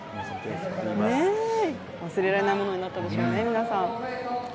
忘れられないものになったでしょうね、皆さん。